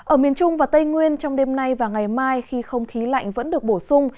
ở miền trung và tây nguyên trong đêm nay và ngày mai khi không khí lạnh vẫn được bổ sung